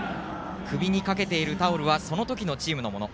首にかけているタオルはその時のチームのもの。